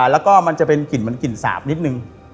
แล้วก็มันจะเป็นกลิ่นเหมือนกลิ่นสาบนิดนึง